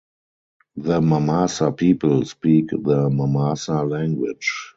The Mamasa people speak the Mamasa language.